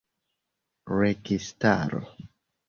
registaro